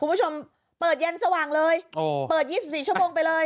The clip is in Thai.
คุณผู้ชมเปิดเย็นสว่างเลยโอ้เปิดยี่สิบสี่ชั่วโมงไปเลย